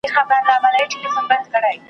پر چنارونو به یې کښلي قصیدې وي وني `